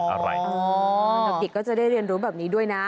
น้องติกก็จะได้เรียนรู้แบบนี้ด้วยนะ